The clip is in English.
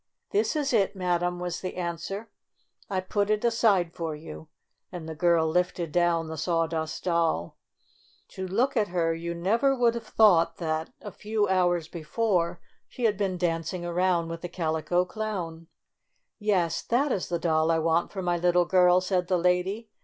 "This is it, Madam," was the answer. "I put it aside for you," and the girl lifted down the Sawdust Doll. To look at her you never would have thought that, a few 46 STORY OF A SAWDUST DOLL hours before, she had been dancing around with the Calico Clown. "Yes, that is the doll I want for my little girl," said the lady.